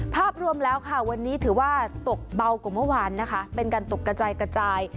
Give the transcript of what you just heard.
ภาพรวมแล้วค่ะวันนี้ถือว่าตกเบากว่าเมื่อวานนะคะเป็นการตกกระจายกระจาย